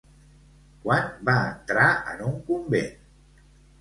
Quan va entrar en un convent?